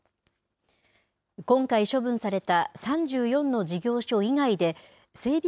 今回処分された３４の事業所以外で、整備